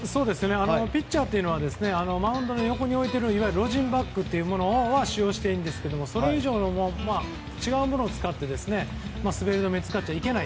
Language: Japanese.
ピッチャーというのはマウンドの横に置いてあるロジンバッグは使用していいんですがそれ以外の違うものを使って滑り止めに使っちゃいけない。